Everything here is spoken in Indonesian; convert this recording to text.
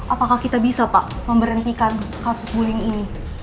apakah kita bisa pak memberhentikan kasus bullying ini